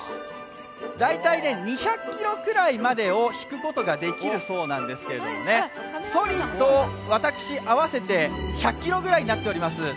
２００ｋｇくらいまでを引くことができるそうですがそりと私、合わせて１００ｋｇぐらいになっています。